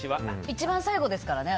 一番最後ですからね。